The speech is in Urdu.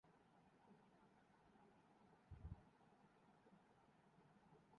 معرفت کی دوسری سطح "سائنٹیفک معرفت" ہے۔